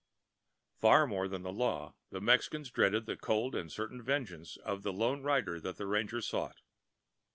Far more than the law, the Mexicans dreaded the cold and certain vengeance of the lone rider that the ranger sought.